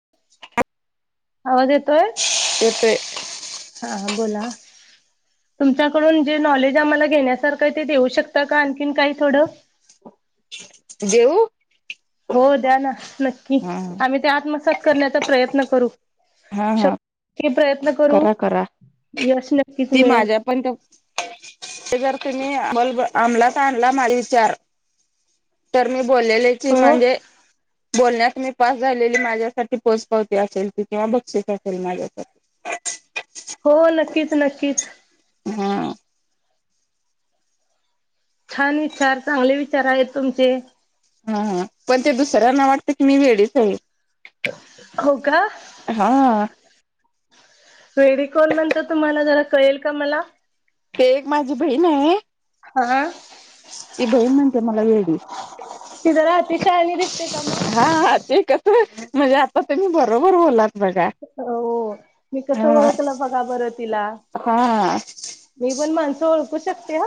[inaudible] [inaudible] आवाज येतोय? येतोय हा हा बोला. तुमच्याकडून जे नॉलेज आम्हाला घेण्यासारखं ते देऊ शकता का आणखीन काही थोडं? देऊ हो द्या ना नक्की हा आम्ही ते आत्मसात करण्याचा प्रयत्न करू. हा हा. की प्रयत्न करू करा करा यश नक्कीच ती मिळेल. माझ्या पण त ते जर तुम्ही आ बल्ब आंमलात आणला माझ विचार तर मी बोललेले की हो म्हणजे बोलण्यात मी पास झालेली माझ्यासाठी पोच पावती असेल ती किंवा बक्षीस असेल माझ्यासाठी. हो नक्कीच नक्कीच. हा छान विचार चांगले विचार आहेत तुमचे. हा हा पण ते दुसऱ्यांना वाटतं की मी वेडीच आहे. हो क हा. वेडी कोण म्हणतं तुम्हाला जरा कळेल का मला? ते एक माझी बहीण आहे हा ती बहीण म्हणतेे मला येडी. ती जरा अती शाहनी दिसते का म? हा ते कसं म्हणजे आता बरोबर बोललात. हो मी कसं हा ओळखलं बघा बरं तिला. हा मी पण माणसं ओळखू शकते हा.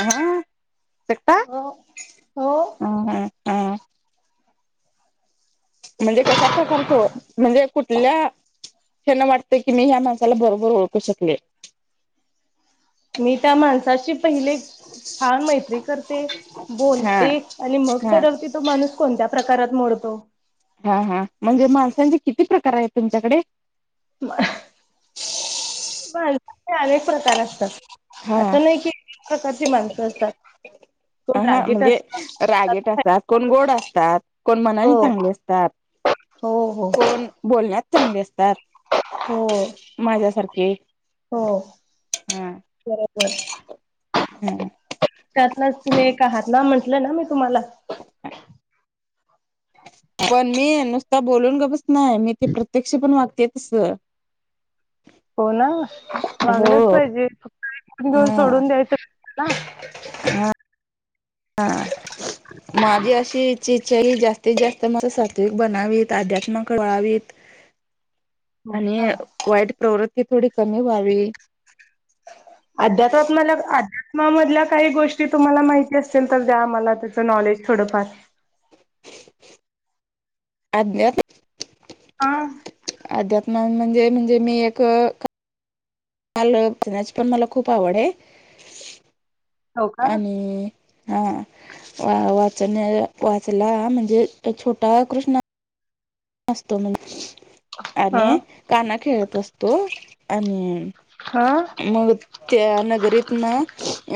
हा. सकता हो हो. हां. म्हणजे कशा प्रकार तो म्हणजे कुठल्या त्यांना वाटतं की मी ह्या माणसाला बरोबर ओळखू शकले. मी त्या माणसाशी पहिले छान मैत्री करते हा बोलते आणि मग हा ठरवते तो माणूस कोणत्या प्रकारात मोडतो. हा हा म्हणजे माणसांचे किती प्रकार आहेत तुमच्याकडे? [unintelligible] माणसाचे अनेक प्रकार असतं हा असं नाही कि प्रकारची माणसं असतात कोण हा रागेट म्हणजे असता रागेट असतात, कोण गोड असतात, कोण हो मनाने चांगले असतात. हो हो. कोण बोलण्यात चांगले असतात. हो. माझ्यासारखे हो हा बरोबर. ह त्यातनाचं तुम्ही एक आहात ना म्हंटलं ना मी तुम्हाला. पण मी नुसता बोलून गप्प बसणार मी ते प्रत्यक्ष पण वागते स हो ना मागलंच पाहिजे [inaudible] सोडून द्यायचं ना. हा. हां. माझी अशी इच्छा इच्छा आहे की जास्तीत जास्त म सातविक बनावीत अध्यात्मक वळावीत [inaudible] [inaudible] आणि का. वाईट प्रवृत्ती थोडी कमी व्हावी. अध्यात्म अध्यात्मामधल्या काही गोष्टी तुम्हाला माहि ती असेल तर द्या मला त्याच नॉलेज थोडफार. आध्या [inaudible] हा अध्यात्म म्हणजे म्हणजे मी एक [unintelligible] पण मला खूप आवड आहे. हो का? आणि हा वा वाचण्या वाचला म्हणजे तो छोटा कृष्णा असतो म्हण हा आणि कान्हा खेळत असतो आणि हा मग त्या नगरीत ना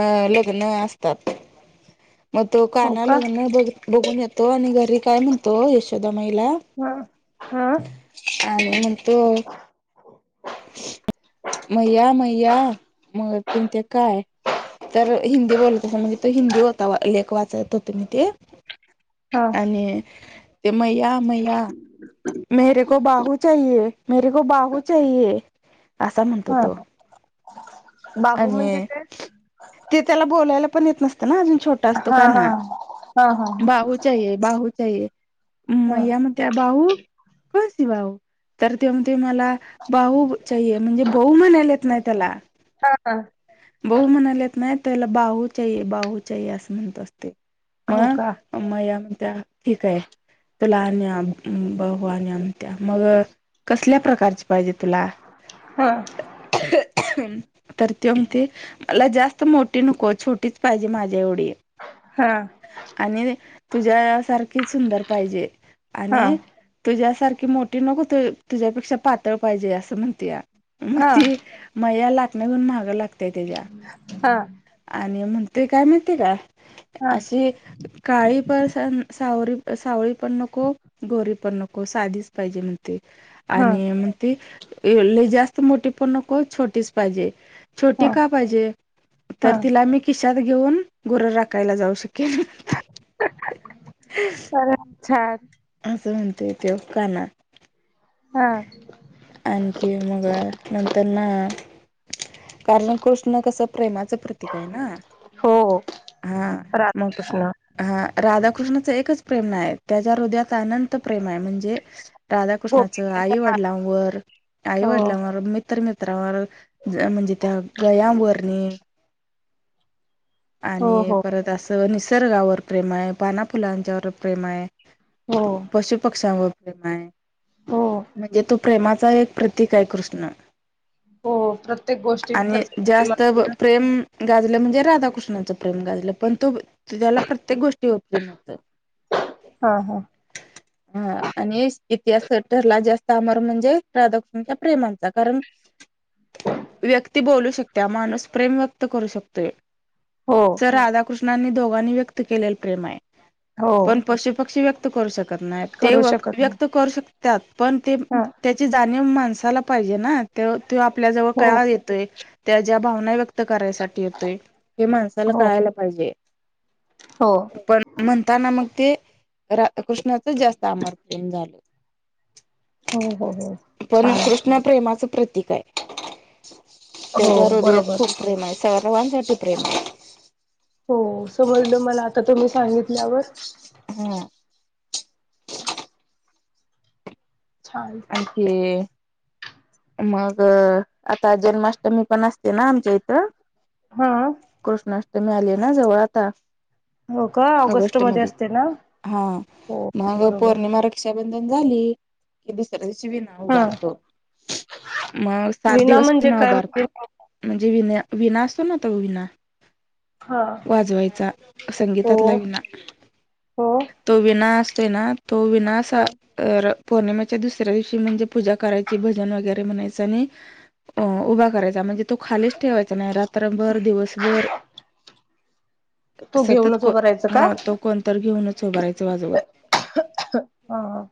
अं लग्न असतात म तो हो कान्हा का लग्न ब बघून येतो आणि घरी काय म्हणतो यशोदा माईला हा हा. आणि म्हणतो मैया मैया मग किन ते काय? तर हिंदी बोलत होता व म्हणजे तो हिंदू होता लेख वाचत होते ते मी हा आणि ते मैया मैया मेरे को बाहू चाहिए मेरे को बाहू चाहिए असा म्हणतो हा तो. बाहू म्हणजे आणि काय? ते त्याला बोलायला पण येत नसतं ना अजून छोटा असतो हा हा कान्हा हा हा बाहु चाहिए, बाहु चाहिए हा. मैया म्हण त्या बाहु कौन सी बाहु तर ते म्हणते मला बाहु चाहिए म्हणजे बहू म्हणायला येत नाय त्याला. हा हा. बहू म्हणालेत नाही त्याला बाहु चाहिए बाहु चाहिए असं म्हणतं असते हो का मग मैया म्हणत्या ठीक आहे तुला आणू या बहु आणू या म्हणत्या मग कसल्या प्रकारची पाहिजे हा तरी ते ते मला जास्त मोठी नको छोटीच पाहिजे माझ्या एवढी. हा. आणि तुझ्या सारखी सुंदर पाहिजे हा आणि तुझ्यासारखी मोटी नको तु तुझ्यापेक्षा पातळ पाहिजे असं म्हणत्या मग हा हा ती मैया लाटण्या घेऊन माघं लागतय त्याच्या हा आणि म्हणते काय माहित काय? हा अशी काळी पसनं सावरी सावरी पण नको गोरी पण नको साधीच पाहिजे. ते आणि मग ते लय जास्त मोठी पण नको छोटीच पाहिजे. छोटी हा का पाहिजे हा तर तिला मी खिशात घेऊन गोर राखायला जाऊ शकेल. खरच छान असं म्हणते त्यो कान्हा. हा. आणखी मगं नंतर ना कारणं कोशनं कसं प्रेमाचं प्रतीक आहे ना हो हा मग राधाकृष्ण हा राधाकृष्णाच एकच प्रेम नाही आहे त्याच्या हृदयात अनंत प्रेम आहे म्हणजे राधाकृष्णाचं गोपिकांचा आईवडिलांवर आई हो वडिलांवर मी इतर मित्रावर म्हणजे त्या गयावरणी हो आणि हो परत असं निसर्गावर प्रेम आहे पाना, फुलांच्यावर प्रेम आहे. हो पशु पक्ष्यांवर प्रेम आहे हो. म्हणजे तो प्रेमाचा एक प्रतीक आहे कृष्ण. हो प्रत्येक गोष्टीत आणि त्याचं प्रेम जास्त ब असतं ना. प्रेम गाजलं म्हणजे राधाकृष्णाचं प्रेम गाजलं पण तो त्याला प्रत्येक गोष्ट [unintelligible] [inaudible] हा आणि इतिहासत ठरला जास्त अमर म्हणजे राधाकृष्णाचा प्रेम म्हणता कारण [inaudible] व्यक्ती बोलू शकत्या माणूस प्रेम व्यक्त करू शकतोय. हो. तर राधाकृष्णांनी दोघांनी व्यक्त केले प्रेम आहे हो पण पशुपक्षी व्य क्त करू शकत नाही ते करू वक्त शकत नाही व्यक्त करू शकत्यात पण ते हा. त्याची जाणीव माणसाला पाहिजे ना ते तो आपल्या जवळ हो कया येतोय त्याज्या भावना व्यक् त करायसाठी येतोय हे माणसाला हो कळायला पाहिजे. हो. पण म्हणताना मग ते रा [inaudible] कृष्णाच जास्त अमर प्रेम झालं. हो हो हो छान. ना प्रेमाचं प्रतीक आहे. हो त्याच्या हृदयात बरोबर. खूप प्रेम आहे सर्वांसाठी प्रेम आहे. हो समजलं मला आता तुम्ही सांगितल्यावर. हम्म. छान आणखी मग आता जन्माष्टमी पण असते ना आमच्या इथं. हा. कृष्णाष्टमी आली आहे ना जवळ आता हो का ऑगस्ट मध्ये असते ना हा हो मग बरोबर. पौर्णिमा रक्षाबंधन झाली कि दुसऱ्या दिवशी बी नाव हा उभारतो मग सात विना दिवसी म्हणजे ना काय म्हणजे उभारतो. म्हणजे विन्या विना असतो ना तो विना हा. वाजवायचा हो संगीतातला विना. हो. तो विना असतोय ना तो विना सा हां. र पौर्णिमा दुसऱ्या दिवशी म्हणजे पूजा करायची भजन वगैरे म्हणायच आणि अ उभा करायचा म्हणजे तो खालीच ठेवायचा नाही रात्रभर, दिवसभर तू सतत घेऊनच को उभं राहायचं का हा तो कोणतर घेऊनच उभारायच वाजवत. हा.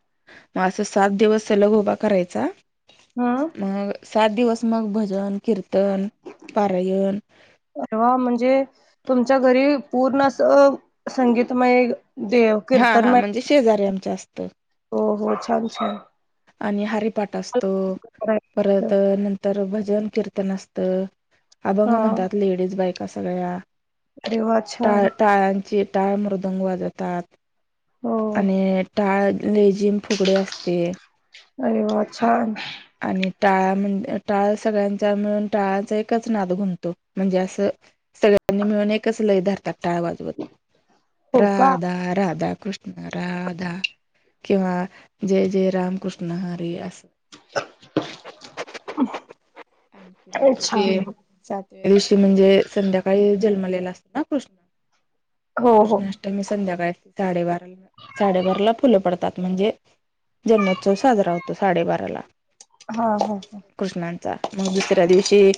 म असं सात दिवस त्याला उभा करायचा हम्म. मग सात दिवस मग भजन, कीर्तन, पारायण परवा म्हणजे तुमच्या घरी पूर्ण असं संगीतमय देव हा हा कीर्तनमय म्हणजे शेजारी आमच्या असतं. हो हो छान छान. आणि हारीपाट असतो परत नंत तर भजन कीर्तन असतं अभंग हां. म्हणतात लेडीज बायका सगळ्या. अरे वाह! टाळ छान. टाळ्यांची टाळ मृदंग वाजतात. हो. आणि टाळ ले जिम फुगडे असते. अरे वा छान. आणि टाळा म्हण टाळ सगळ्यांचा मिळून टाळाचा एकच नाद गुणतो म्हणजे असं सगळ्यांनी मिळून एकच लय धरतात टाळ वाजवत जवत हो का? राधा राधा कृष्ण राधा किंवा जय जय रामकृष्ण हरी असं. [unintelligible] ते छान. सातव्या दिवशी म्हणजे संध्याकाळी जन्मलेला असतो ना कृष्ण हो, हो. कृष्णा टल मी संध्याकाळी साडेबारा साडेबारा ला फुलं पडतात म्हणजे जन्मोत्सव साजरा होतो साडेबारा ला हा हो हो. कृष्णांचा मग दुसऱ्या दिवशी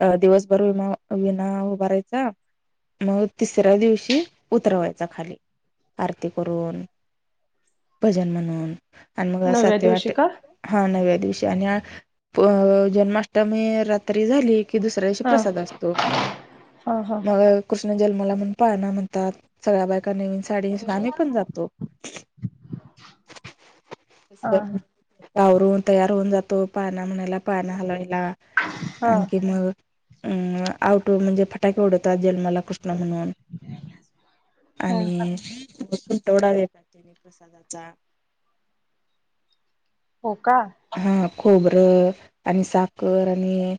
अ दिवसभर विमा विना उभारायचा मग तिसऱ्या दिवशी उतरवायचा खाली आरती करून भजन म्हणून आणि मग सातवी आठ दिवशी का? हा नव्या दिवशी आणि अ पू जन्माष् टमी रात्री झाली की दुसऱ्याशी हां. प्रसाद असतो हां, हां. मग कृष्ण जन्माला म्हणून पाळणा म्हणतात सगळ्या बायका नवीन साडी नेसून आम्ही पण जातो हां, हां. [unintelligible] आवरून तयार होऊन जातो पाळणा म्हणायला पाण्या हलवायला हां. आणखी म अम् आऊटो म्हणजे फटाके उढतात जन्माला कृष् तना म्हणून हां, हां. आणि [inaudible] तेवढा देतात त्यांने प्रसादाचा हो का? हा खोबरं आणि साखर आणि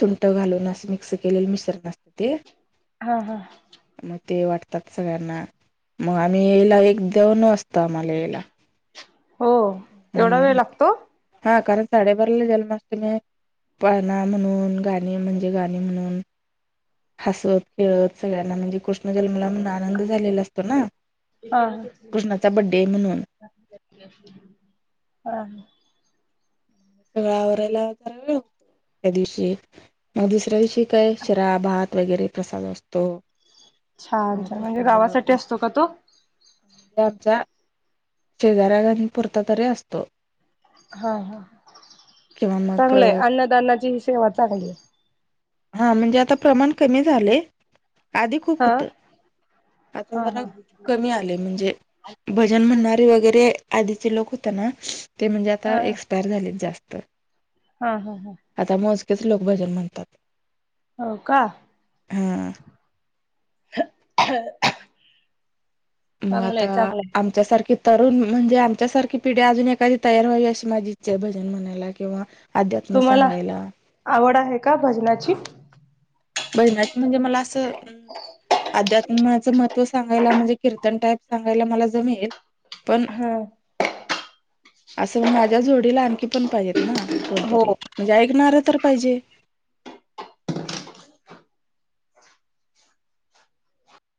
सुंट घालून अस मिक्स केलेलं मिश्रण असतं. हा हा. म ते वाटतात सगळ्यांना मग आम्ही यायला एक-दोन वाजतोआम्हाला यायला. हो एवढा वेळ हम्म लागतो? हा कारण साडेबारला जन्माष्टमी आहे पाळणा म्हणून गाणे म्हणजे गाणे म्हणून हसत, खेळत सगळ्यांना म्हणजे कृष्ण जन्मला म्हणून आनंद झालेला असतो ना कृष्णाचा बड्डे म्हणून हा. आवरायला जरा वेळ होतो त्या दिवशी मग दुसऱ्या दिवशी काय शिरा भा त वगैरे प्रसाद असतो. अ छान-छान म्हणजे कोणाला गावासाठी असतो का तो? दाबचा शेजाऱ्यानी पुरता तरी असतो. हा हा किंवा मग चांगलंय अन्नदान्नाची ही सेवा चांगली आहे. हा म्हणजे आता प्रमाण कमी झाले. आधी खूप हा होतं आता हा जरा हा कमी आले म्हणजे भजन म्हणणारे वगैरे आधीचे लोकं होते ना ते म्हणजे आता हा एक पायर झालेत जास्त. हा हा हा. आता मोजकेच लोक भजन म्हणतात. हो का? हा मग आता चांगलंय आम चांगलंय आमच्या सारखी तरुण म्हणजे आमच्या सारखी पिढी अजून एखादी तयार व्हावी अशी इच्छा माझी आहे भजन म्हणायला किंवा अध्यात्म तुम्हाला सांगायला. आवड आहे का भजनाची? भजनाच म्हणजे मला असं अ अध्यात्माचं महत्व सांगायला म्हणजे कीर्तन टाईप सांगायला मला जमेल पण हां असं म माझ्या जोडीला आणखी पण पाहिजेत ना कोणतरी. हो म्हणजे ऐकणार तर पाहिजे.